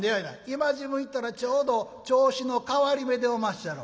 「今時分行ったらちょうど銚子の替り目でおまっしゃろ」。